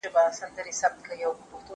اوبه پاکه کړه؟